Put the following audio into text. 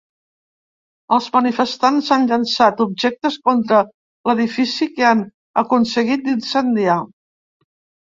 Els manifestants han llençat objectes contra l’edifici, que han aconseguit d’incendiar.